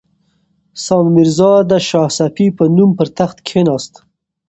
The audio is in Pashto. سام میرزا د شاه صفي په نوم پر تخت کښېناست.